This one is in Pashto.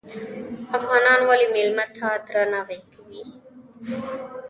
افغانان ولې میلمه ته درناوی کوي؟